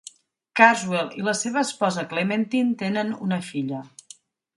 Carswell i la seva esposa Clementine tenen una filla.